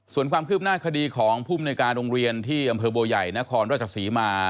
ส่วนความคืบหน้าคดีของภูมิในการโรงเรียนที่อำเภอบัวใหญ่นครราชศรีมา